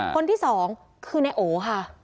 คนที่สองคือนายโอค่ะ